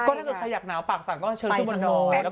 ก็นึกว่าขยับหนาวปากสั่งก็เชิงทั่วมันดอย